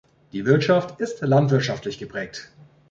Die Wirtschaft ist landwirtschaftlich geprägt.